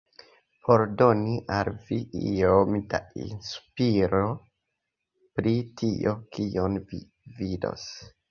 Por doni al vi iom da inspiro pri tio, kion vi vidos